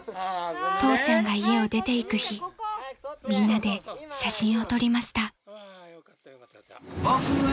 ［父ちゃんが家を出ていく日みんなで写真を撮りました］